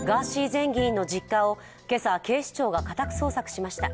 前議員の実家を今朝、警視庁が家宅捜索しました。